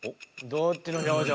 どっちの表情？